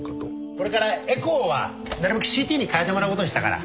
これからエコーはなるべく ＣＴ に変えてもらうことにしたから